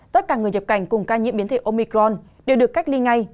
tất cả người nhập cảnh cùng ca nhiễm biến thể omicron đều được cách ly ngay